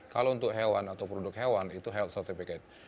kalau untuk hewan atau produk hewan itu health certificate